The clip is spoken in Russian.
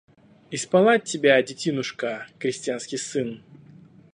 Исполать тебе, детинушка крестьянский сын